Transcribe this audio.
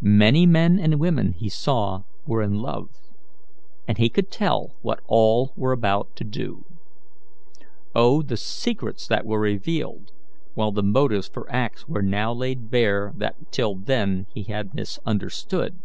Many men and women he saw were in love, and he could tell what all were about to do. Oh, the secrets that were revealed, while the motives for acts were now laid bare that till then he had misunderstood!